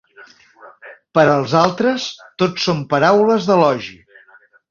Per als altres, tot són paraules d'elogi.